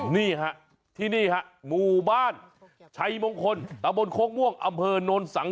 นี่ค่ะหนูบ้านชายมงคลตระบวนคหกม่วงอำเภอโนรสัง